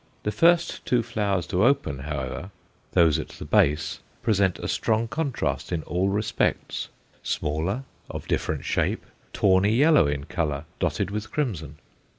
The first two flowers to open, however those at the base present a strong contrast in all respects smaller, of different shape, tawny yellow in colour, dotted with crimson.